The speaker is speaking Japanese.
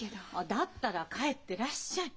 だったら帰ってらっしゃい！